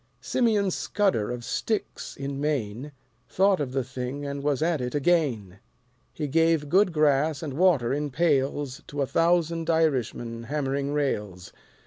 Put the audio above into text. Simeon Scudder of Styx, in Maine, Thought of the thing and was at it again. He gave good grass and water in pails To a thousand Irishmen hammering rails.